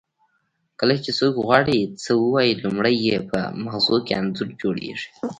کله چې څوک غواړي څه ووایي لومړی یې په مغزو کې انځور جوړیږي